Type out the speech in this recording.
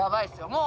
もう。